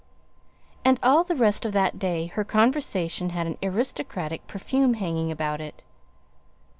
And all the rest of that day her conversation had an aristocratic perfume hanging about it.